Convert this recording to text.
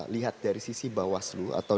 lihat dari sisi bawaslu atau